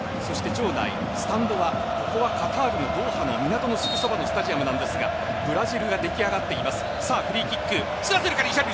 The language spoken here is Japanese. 場内スタンドはカタールのドーハの港のすぐそばにスタジアムなんですがブラジルが出来上がっています。